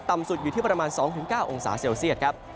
สุดอยู่ที่ประมาณ๒๙องศาเซลเซียตครับ